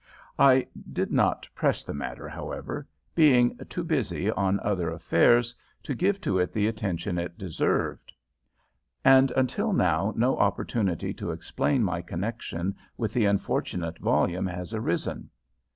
I did not press the matter, however, being too busy on other affairs to give to it the attention it deserved, and until now no opportunity to explain my connection with the unfortunate volume has arisen.